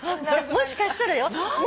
もしかしたらだよ